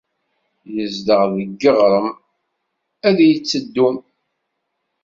Yezdeɣ deg yiɣrem ay d-yetteddun.